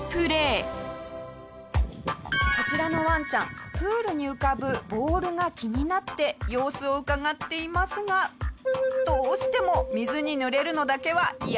下平：こちらのワンちゃんプールに浮かぶボールが気になって様子をうかがっていますがどうしても水に濡れるのだけはイヤなんです。